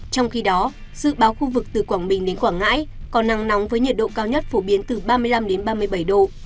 trong khi đó dự báo khu vực từ quảng bình đến quảng ngãi có nắng nóng với nhiệt độ cao nhất phổ biến từ ba mươi năm ba mươi bảy độ